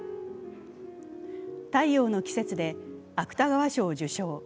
「太陽の季節」で芥川賞を受賞。